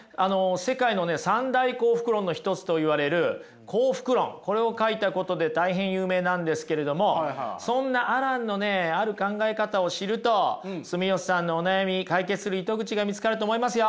世界の三大幸福論の一つといわれる「幸福論」これを書いたことで大変有名なんですけれどもそんなアランのねある考え方を知ると住吉さんのお悩み解決する糸口が見つかると思いますよ。